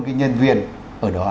cái nhân viên ở đó